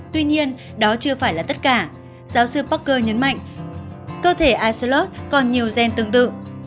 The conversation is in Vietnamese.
tuy nhiên đó chưa phải là tất cả giáo sư pocker nhấn mạnh cơ thể icellus còn nhiều gen tương tự